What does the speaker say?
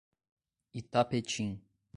Itapetim